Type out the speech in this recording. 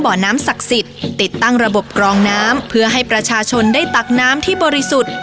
บ่อน้ำศักดิ์สิทธิ์ติดตั้งระบบกรองน้ำเพื่อให้ประชาชนได้ตักน้ำที่บริสุทธิ์